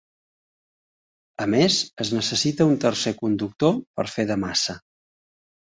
A més, es necessita un tercer conductor per fer de massa.